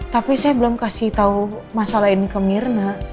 tapi saya belum kasih tahu masalah ini ke mirna